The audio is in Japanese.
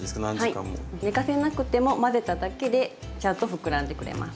寝かせなくても混ぜただけでちゃんと膨らんでくれます。